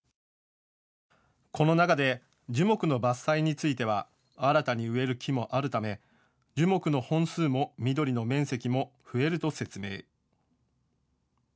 この中で樹木の伐採については新たに植える木もあるため樹木の本数も緑の面積も増えると説明。